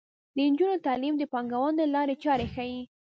د نجونو تعلیم د پانګونې لارې چارې ښيي.